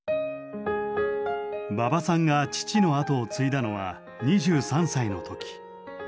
馬場さんが父の後を継いだのは２３歳の時。